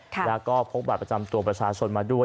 แล้วก็พกบัตรประจำตัวประชาชนมาด้วย